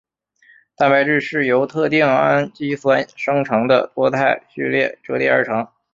蛋白质是由特定氨基酸生成的多肽序列折叠而成。